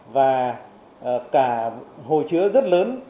và cả hồ chứa rất lớn